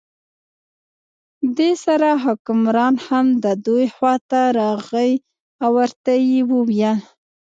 دې سره حکمران هم د دوی خواته راغی او ورته یې وویل.